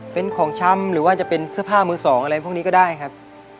เป็นของช้ำหรือว่าจะเป็นเสื้อผ้ามือสองอะไรพวกนี้ก็ได้ครับ